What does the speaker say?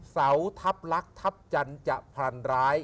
เสาทัพรักทัพจัญจะพลันร้าย